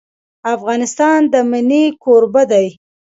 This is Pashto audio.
افغانستان د منی کوربه دی.